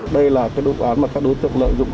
đây là cái đối tượng mà các đối tượng lợi dụng